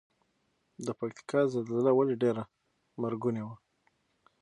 د پکتیکا زلزله ولې ډیره مرګونې وه؟